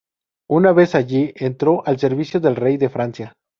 Una vez allí, entró al servicio del rey de Francia.